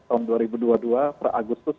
tahun dua ribu dua puluh dua per agustus